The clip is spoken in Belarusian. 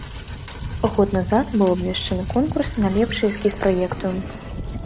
Год назад быў абвешчаны конкурс на лепшы эскіз праекту.